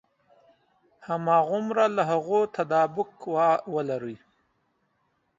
هماغومره له هغوی تطابق ولري.